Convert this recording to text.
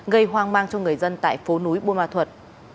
gây hoang mang cho người dân tại phố núi bùa ma thuột